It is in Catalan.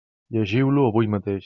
Llegiu-lo avui mateix!